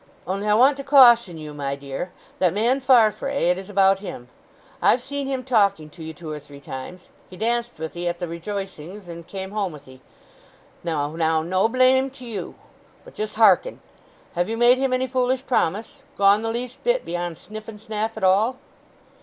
"Only I want to caution you, my dear. That man, Farfrae—it is about him. I've seen him talking to you two or three times—he danced with 'ee at the rejoicings, and came home with 'ee. Now, now, no blame to you. But just harken: Have you made him any foolish promise? Gone the least bit beyond sniff and snaff at all?"